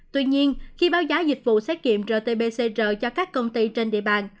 tuy nhiên khi báo giá dịch vụ xét nghiệm rt pcr cho các công ty trên địa bàn